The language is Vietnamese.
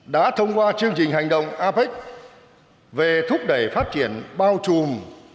đã thông qua chương trình hành động apec về thúc đẩy phát triển bao trùm